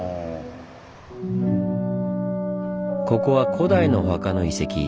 ここは古代のお墓の遺跡。